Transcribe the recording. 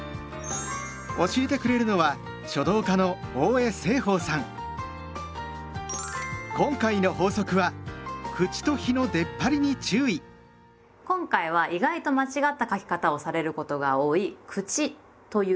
教えてくれるのは今回の法則は今回は意外と間違った書き方をされることが多い「口」という字です。